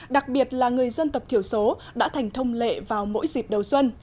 đặc biệt là người dân tập thiểu số đã thành thông lệ vào mỗi dịp đầu xuân